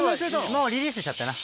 もうリリースしちゃってな。